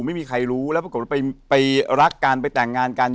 ไม่มีใครรู้แล้วปรากฏว่าไปรักกันไปแต่งงานกัน